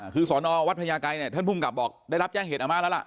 คือสอนอวัดพญาไกรเนี่ยท่านภูมิกับบอกได้รับแจ้งเหตุอาม่าแล้วล่ะ